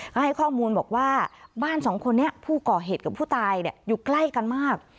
ก็ให้ข้อมูลบอกว่าบ้านสองคนนี้ผู้ก่อเหตุกับผู้ตายอยู่ใกล้กันมาก